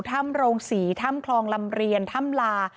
ถ้ำโรงศรีถ้ำคลองลำเรียนถ้ำลา